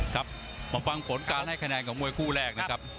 ครับมาฟังผลการให้คะแนนของมวยคู่แรกนะครับ